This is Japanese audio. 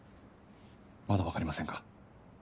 まだ分かりませんか？